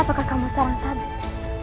apakah kamu seorang tabib